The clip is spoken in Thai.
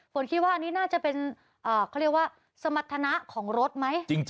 ฝนคิดว่านี่น่าจะเป็นอ่าเขาเรียกว่าสมบัติธนาของรถไหม